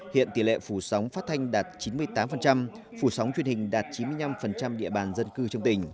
hiện tỷ lệ phủ sóng phát thanh đạt chín mươi tám phủ sóng truyền hình đạt chín mươi năm địa bàn dân cư trong tỉnh